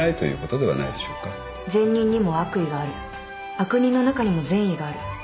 悪人の中にも善意がある。